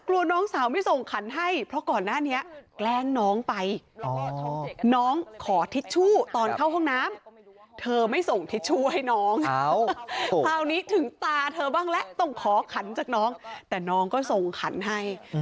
กลัวน้องสาวไม่ส่งขันให้เพราะก่อนหน้านี้